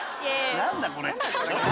何だこれ！